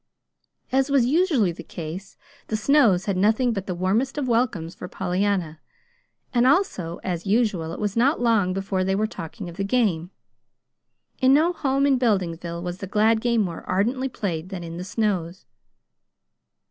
As was usually the case, the Snows had nothing but the warmest of welcomes for Pollyanna; and also as usual it was not long before they were talking of the game: in no home in Beldingsville was the glad game more ardently played than in the Snows'.